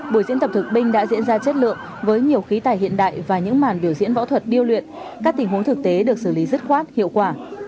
buổi diễn tập thực binh đã diễn ra chất lượng với nhiều khí tài hiện đại và những màn biểu diễn võ thuật điêu luyện các tình huống thực tế được xử lý dứt khoát hiệu quả